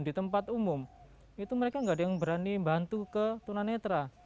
di tempat umum itu mereka nggak ada yang berani bantu ke tunanetra